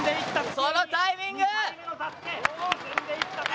そのタイミング！